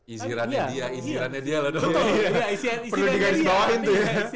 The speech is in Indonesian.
iya easy run nya dia loh